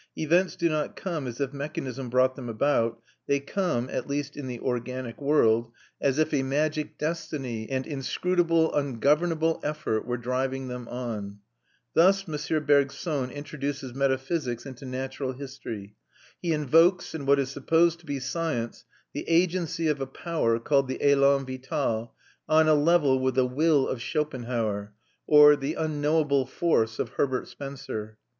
Events do not come as if mechanism brought them about; they come, at least in the organic world, as if a magic destiny, and inscrutable ungovernable effort, were driving them on. Thus M. Bergson introduces metaphysics into natural history; he invokes, in what is supposed to be science, the agency of a power, called the élan vital, on a level with the "Will" of Schopenhauer or the "Unknowable Force" of Herbert Spencer.